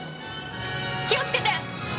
気をつけて。